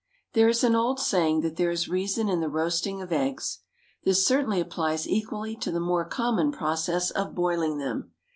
There is an old saying that there is reason in the roasting of eggs. This certainly applies equally to the more common process of boiling them.